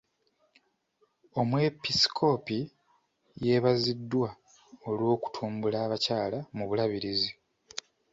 Omwepiskoopi yeebaziddwa olw'okutumbula abakyala mu bulabirizi.